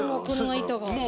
この板が。